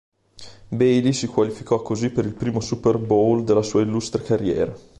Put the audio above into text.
Bailey si qualificò così per il primo Super Bowl della sua illustre carriera.